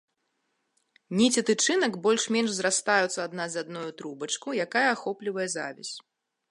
Ніці тычынак больш-менш зрастаюцца адна з адной у трубачку, якая ахоплівае завязь.